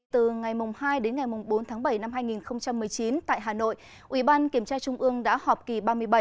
từ ngày hai đến ngày bốn tháng bảy năm hai nghìn một mươi chín tại hà nội ủy ban kiểm tra trung ương đã họp kỳ ba mươi bảy